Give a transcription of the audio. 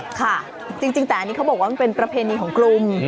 ค่ะจริงแต่อันนี้เขาบอกว่ามันเป็นประเพณีของกลุ่ม